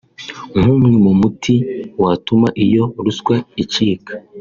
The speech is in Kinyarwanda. nk’umwe mu muti watuma iyo ruswa icika